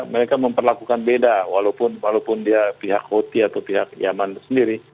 mereka memperlakukan beda walaupun dia pihak hoti atau pihak yaman sendiri